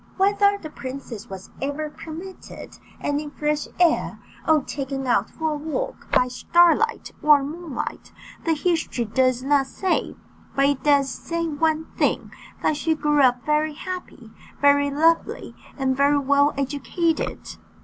Whether the princess was ever permitted any fresh air, or taken out for a walk by starlight or moonlight, the history does not say; but it does say one thing, that she grew up very happy, very lovely, and very well educated.